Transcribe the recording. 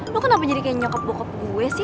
lo kenapa jadi kayak nyokap bokap gue sih